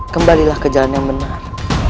kembalilah ke jalan yang benar